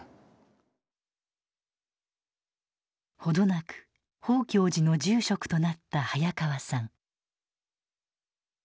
程なく宝鏡寺の住職となった早川さん。